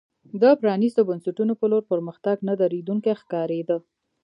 د پرانیستو بنسټونو په لور پرمختګ نه درېدونکی ښکارېده.